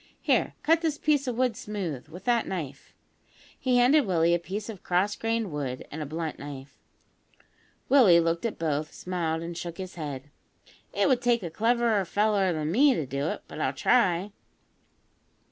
Here, cut this piece of wood smooth, with that knife." He handed Willie a piece of cross grained wood and a blunt knife. Willie looked at both, smiled, and shook his head. "It would take a cleverer feller than me to do it; but I'll try."